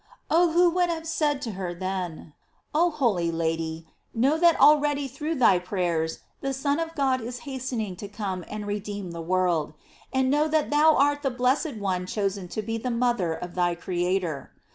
Oh, who would have said to her then: Oh holy Lady, know that al ready through thy prayers the Son of God is hastening to come and redeem the world; and know that thou art the blessed one chosen to be the mother of thy Creator.